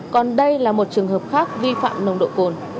còn đây là một trường hợp khác vi phạm nồng độ cồn